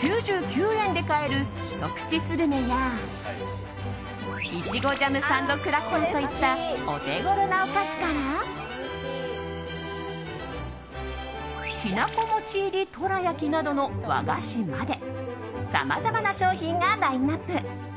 ９９円で買えるひとくちするめやいちごジャムサンドクラッカーといったお手頃なお菓子からきなこもち入りトラ焼きなどの和菓子までさまざまな商品がラインアップ。